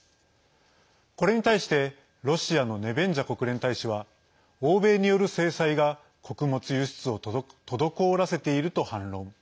これに対して、ロシアのネベンジャ国連大使は欧米による制裁が穀物輸出を滞らせていると反論。